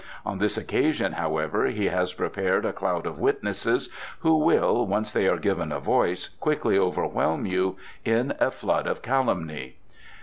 On this occasion, however, he has prepared a cloud of witnesses who will, once they are given a voice, quickly overwhelm you in a flood of calumny."